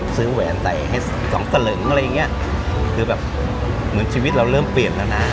แหวนใส่ให้สองตลึงอะไรอย่างเงี้ยคือแบบเหมือนชีวิตเราเริ่มเปลี่ยนแล้วนะ